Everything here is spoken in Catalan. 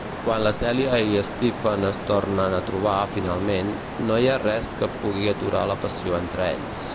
Quan la Celia i Stephen es tornen a trobar finalment, no hi ha res que pugui aturar la passió entre ells.